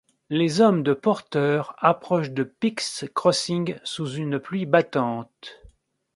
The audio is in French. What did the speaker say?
Les hommes de Porter approchent de Peake's Crossing sous une pluie battante.